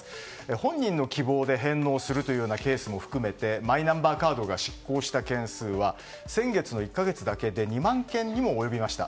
本人の希望で返納するケースも含めてマイナンバーカードが失効した件数は先月の１か月だけで２万件にも及びました。